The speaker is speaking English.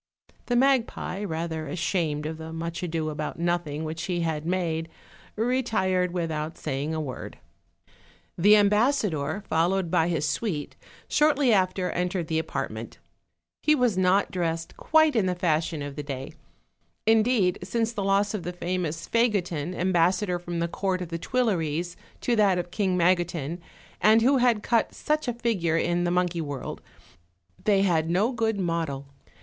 The magpie, rather ashamed of the much ado about nothing which he had made, retired without saying a word. The ambassador, followed by his suite, shortly after entered the apartment. He was not dressed quite in the fashion of the day: indeed, since the loss of the famous Fagotin, ambassador from the court of the Tuileries to that of King Magotin, and who had cut such a figure in the monkey world, they had had no good model.